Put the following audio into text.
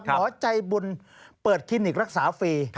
หมอใจบุญเปิดคลินิกรักษาฟรี